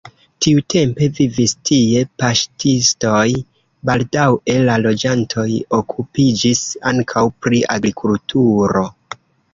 Tiutempe vivis tie paŝtistoj, baldaŭe la loĝantoj okupiĝis ankaŭ pri agrikulturo.